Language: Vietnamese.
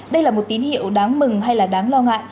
đây là một tín hiệu đáng mừng hay là đáng lo ngại